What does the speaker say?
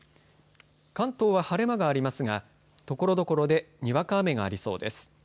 関東は晴れ間がありますがところどころでにわか雨がありそうです。